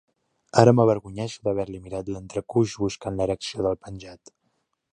Ara m'avergonyeixo d'haver-li mirat l'entrecuix buscant l'erecció del penjat.